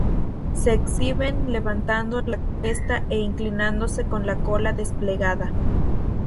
Se exhiben levantando la cresta e inclinándose con la cola desplegada.